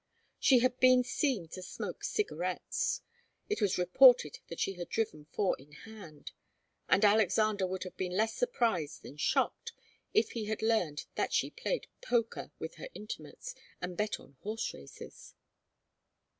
She had been seen to smoke cigarettes, it was reported that she had driven four in hand, and Alexander would have been less surprised than shocked if he had heard that she played poker with her intimates and bet on horse races.